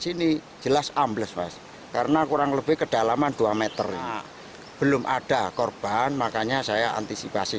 sini jelas ambles mas karena kurang lebih kedalaman dua meter belum ada korban makanya saya antisipasi